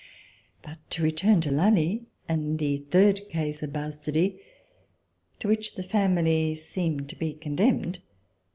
But to return to Lally and the third case of bastardy, to which the family seemed to be con demned.